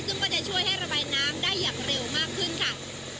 ซึ่งก็จะช่วยให้ระบายน้ำได้อย่างเร็วมากขึ้นค่ะ